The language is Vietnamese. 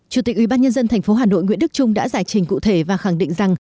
chủ tịch ubnd tp hà nội nguyễn đức trung đã giải trình cụ thể và khẳng định rằng